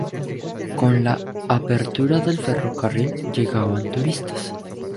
Con la apertura del ferrocarril, llegaban turistas.